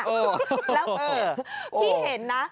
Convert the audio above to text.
แล้วที่เห็นนะ